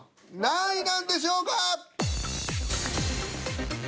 何位なんでしょうか？